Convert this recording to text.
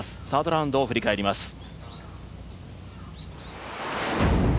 サードラウンドを振り返ります。